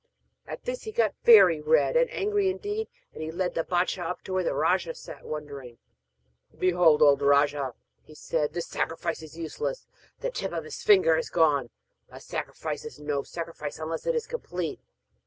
At this he got very red and angry indeed, and he led the bâdshah up to where the rajah sat wondering. 'Behold! O rajah,' he said, 'this sacrifice is useless, the tip of his finger is gone! A sacrifice is no sacrifice unless it is complete.'